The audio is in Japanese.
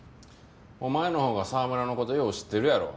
お前のほうが澤村の事よう知ってるやろ？